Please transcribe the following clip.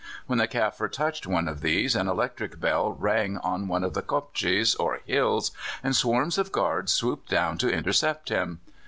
When the Kaffir touched one of these an electric bell rang on one of the kopjes, or hills, and swarms of guards swooped down to intercept him.